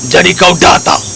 jadi kau datang